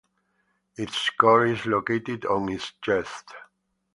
Its core is located on its chest.